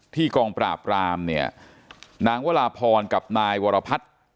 กองปราบรามเนี่ยนางวราพรกับนายวรพัฒน์